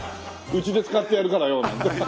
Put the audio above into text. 「うちで使ってやるからよ」なんて。